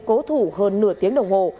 cố thủ hơn nửa tiếng đồng hồ